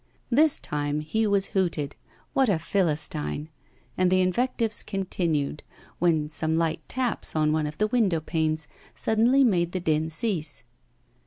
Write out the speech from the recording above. This time he was hooted. What a philistine! And the invectives continued, when some light taps on one of the window panes suddenly made the din cease.